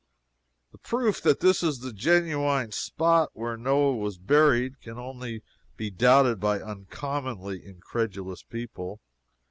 The proof that this is the genuine spot where Noah was buried can only be doubted by uncommonly incredulous people.